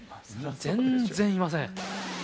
全然いません。